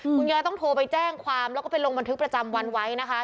คุณยายต้องโทรไปแจ้งความแล้วก็ไปลงบันทึกประจำวันไว้นะคะ